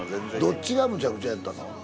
どっちがむちゃくちゃやったの？